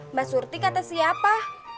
mbak surti kata siapa